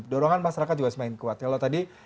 dorongan masyarakat juga semakin kuat kalau tadi